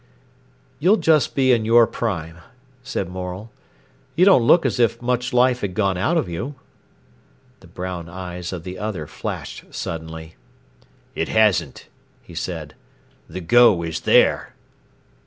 "You'll just be in your prime," said Morel. "You don't look as if much life had gone out of you." The brown eyes of the other flashed suddenly. "It hasn't," he said. "The go is there."